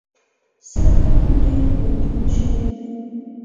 سر هم ډېر را دروند شوی دی.